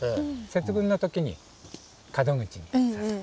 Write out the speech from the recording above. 節分の時に門口にさす。